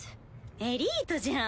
エリートじゃん。